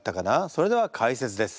それでは解説です。